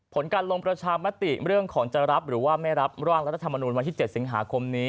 ผลการลงประชามติเรื่องของจะรับหรือว่าไม่รับร่างรัฐธรรมนุนวันที่๗สิงหาคมนี้